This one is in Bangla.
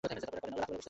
এবার সবাই একটু বসি।